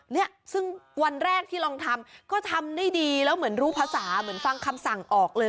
เนี่ยซึ่งวันแรกที่ลองทำก็ทำได้ดีแล้วเหมือนรู้ภาษาเหมือนฟังคำสั่งออกเลย